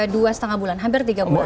dua setengah bulan hampir tiga bulan